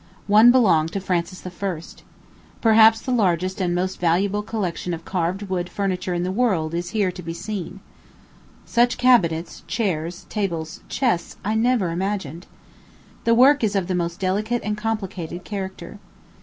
One belonged to Francis I. Perhaps the largest and most valuable collection of carved Wood furniture in the world is here to be seen. Such cabinets, chairs, tables, chests, I never imagined. The work is of the most delicate and complicated character.